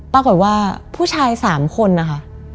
ปรากฏว่าผู้ชาย๓คนนะคะ